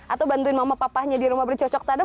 atau bantuin mama papahnya di rumah bapaknya